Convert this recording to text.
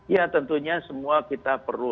ya tentunya semua kita perlu